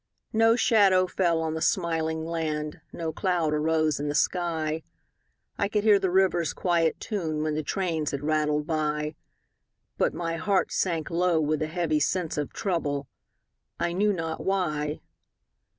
No shadow fell on the smiling land, No cloud arose in the sky; I could hear the river's quiet tune When the trains had rattled by; But my heart sank low with a heavy sense Of trouble, I knew not why.